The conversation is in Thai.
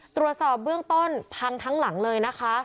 ตรวจสอบเบื้องต้นพังทั้งหลังเลยนะคะ